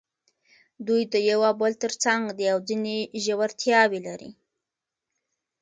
دوی د یو او بل تر څنګ دي او ځینې ژورتیاوې لري.